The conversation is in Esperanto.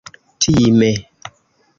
time